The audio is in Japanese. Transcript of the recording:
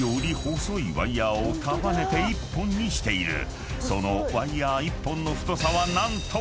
［そのワイヤ１本の太さは何と］